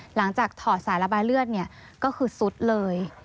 หลังจากถอดสายระบายเลือดก็คือซุดเลย